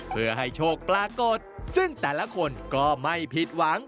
เพื่อให้โชคปรากฏซึ่งแต่ละคนก็ไม่ผิดหวัง